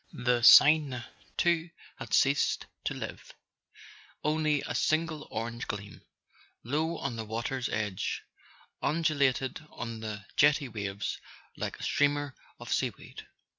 The Seine too had ceased to live: only a single orange gleam, low on the water's edge, undulated on the jetty waves like a streamer of sea¬ weed.